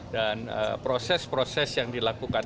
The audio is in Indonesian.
dan proses proses yang dilakukan